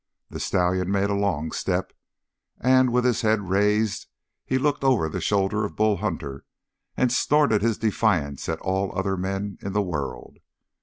The stallion made a long step, and with his head raised he looked over the shoulder of Bull Hunter and snorted his defiance at all other men in the world!